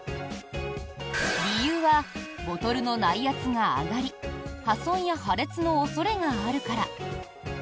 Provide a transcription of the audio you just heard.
理由は、ボトルの内圧が上がり破損や破裂の恐れがあるから。